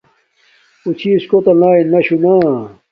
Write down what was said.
اُݸ چھݵس کݸتݳ نݳ رِنݳ شݳ نݳ.